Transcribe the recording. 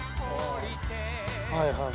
はいはい。